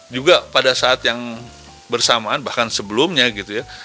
juga pada saat yang bersamaan bahkan sebelumnya gitu ya